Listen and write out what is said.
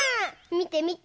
みてみて。